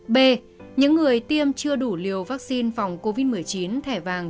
b những người tiêm chưa đủ liều vaccine phòng covid một mươi chín thẻ vàng